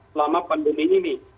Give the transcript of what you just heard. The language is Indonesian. selama pandemi ini